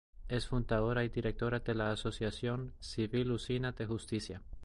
Es fundadora y directora de la Asociación Civil Usina de Justicia.